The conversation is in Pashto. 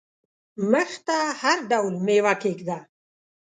مخ ته هر ډول مېوه کښېږده !